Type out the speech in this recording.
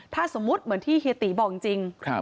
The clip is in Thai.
ถ้าสมมุติเหมือนที่เฮียตีบอกจริง